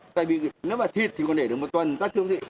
tại vì nếu mà thịt thì còn để được một tuần ra thương vị